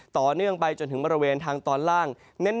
ต่อเนื่องไปจนถึงบริเวณทางตอนล่างเน้น